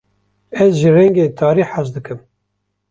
Ez ji rengên tarî hez dikim.